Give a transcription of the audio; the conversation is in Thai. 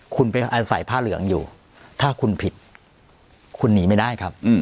คุณไปอาศัยผ้าเหลืองอยู่ถ้าคุณผิดคุณหนีไม่ได้ครับ